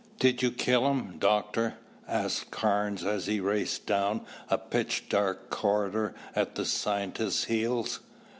"Did you kill him, Doctor?" asked Carnes as he raced down a pitch dark corridor at the scientist's heels.